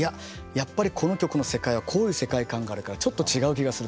やっぱりこの曲の世界はこういう世界観があるからちょっと違う気がするとか。